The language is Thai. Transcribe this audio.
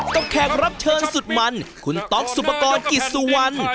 แขกรับเชิญสุดมันคุณต๊อกสุปกรณ์กิจสุวรรณ